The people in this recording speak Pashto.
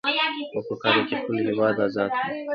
او په کډه خپل هيواد ازاد کړو.